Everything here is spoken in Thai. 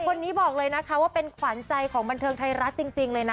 คนนี้บอกเลยนะคะว่าเป็นขวัญใจของบันเทิงไทยรัฐจริงเลยนะ